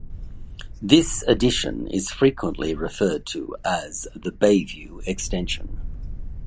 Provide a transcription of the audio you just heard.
This addition is frequently referred to as the Bayview Extension.